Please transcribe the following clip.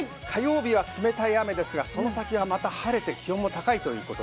火曜日は冷たい雨ですが、その先は晴れて気温も高い。